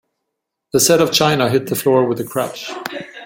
The set of china hit the floor with a crash.